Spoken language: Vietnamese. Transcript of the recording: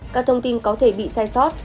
các thông tin có thể bị sai sót